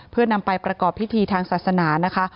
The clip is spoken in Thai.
เพื่อนำไปประกอบพิธีทางศาสนานะคะ